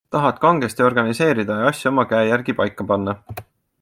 Tahad kangesti organiseerida ja asju oma käe järgi paika panna.